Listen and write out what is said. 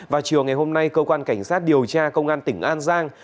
vào chiều ngày hôm nay cơ quan cảnh sát điều tra công an tỉnh an giang